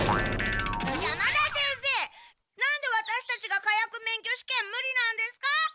山田先生なんでワタシたちが火薬免許試験ムリなんですか？